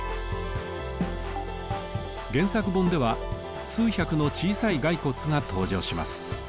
原作本では数百の小さい骸骨が登場します。